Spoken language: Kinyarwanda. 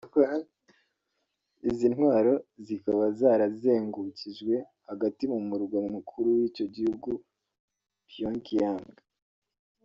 Izi ntwaro zikaba zarazengukijwe hagati mu murwa mukuru w’icyo gihugu Pyongyang